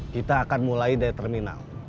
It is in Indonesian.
kita akan mulai dari terminal